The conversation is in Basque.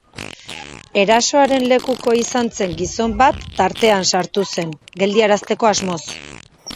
Erasoaren lekuko izan zen gizon bat tartean sartu zen, geldiarazteko asmoz.